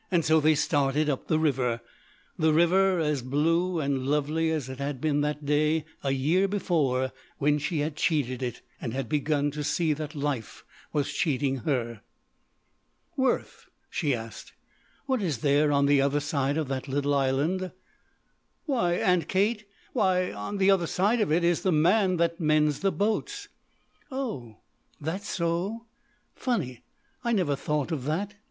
So they started up the river the river as blue and lovely as it had been that day a year before when she had cheated it, and had begun to see that life was cheating her. "Worth," she asked, "what is there on the other side of that little island?" "Why, Aunt Kate why on the other side of it is the man that mends the boats." "Oh, that so? Funny I never thought of that.